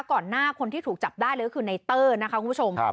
ก่อนหน้าคนที่ถูกจับได้เลยก็คือในเตอร์นะคะคุณผู้ชม